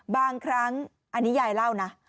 บางครั้งอันนี้ยายเล่านะ